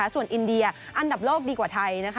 ส่วนอินเดียอันดับโลกดีกว่าไทยนะคะ